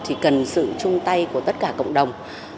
người khuất tật thì cần sự chung tay của tất cả cộng đồng